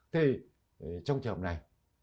thế trong trường hợp này